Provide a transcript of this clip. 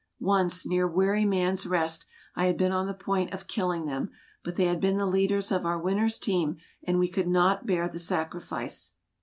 Once, near Weary Man's Rest, I had been on the point of killing them; but they had been the leaders of our winter's team, and we could not bear the sacrifice.